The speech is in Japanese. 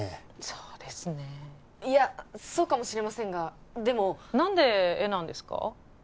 そうですねいやそうかもしれませんがでも何で絵なんですか？